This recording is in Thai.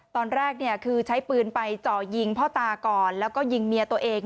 ตอนแรกคือใช้ปืนไปจ่อยิงพ่อตาก่อนแล้วก็ยิงเมียตัวเอง